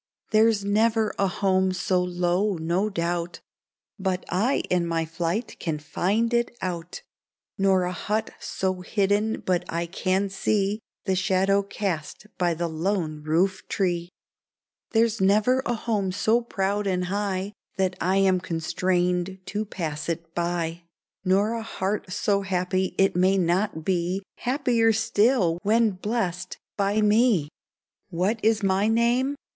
4l6 SANTA CLAUS '' There's never a home so low, no doubt, But I in my flight can find it out ; Nor a hut so hidden but I can see The shadow cast by the lone roof tree ! There's never a home so proud and high That I am constrained to pass it by, Nor a heart so happy it may not be Happier still when blessed by me !^' What is my name